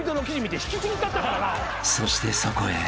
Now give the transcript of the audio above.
［そしてそこへ］